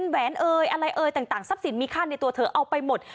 แหวนเอ่ยอะไรเอ่ยต่างทรัพย์สินมีค่าในตัวเธอเอาไปหมด